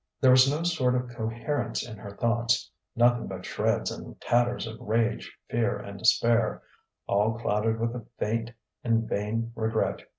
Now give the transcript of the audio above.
There was no sort of coherence in her thoughts, nothing but shreds and tatters of rage, fear, and despair, all clouded with a faint and vain regret.